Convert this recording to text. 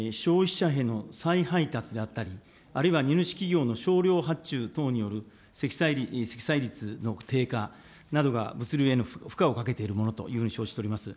ご指摘のように、消費者への再配達であったり、あるいは荷主企業の少量発注等による積載率の低下などが、物流への負荷をかけているものと承知しております。